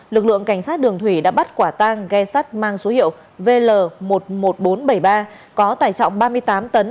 lực lượng cảnh sát đường thủy đã bắt quả tang ghe sắt mang số hiệu vl một mươi một nghìn bốn trăm bảy mươi ba có tải trọng ba mươi tám tấn